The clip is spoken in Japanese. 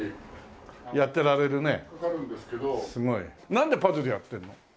なんでパズルやってるの？